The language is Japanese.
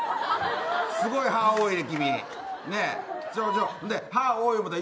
すごい歯多いね。